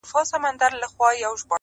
ادبي غونډه کي نيوکي وسوې،